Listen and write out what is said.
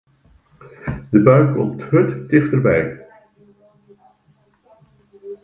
De bui komt hurd tichterby.